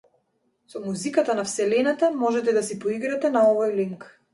Со музиката на вселената можете да си поиграте на овој линк.